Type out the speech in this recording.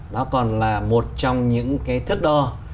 nó còn là một trong những cái thước đo